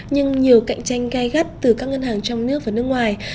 nhưng nhiều cạnh tranh gai gắt từ các ngân hàng trong nước và nước ngoài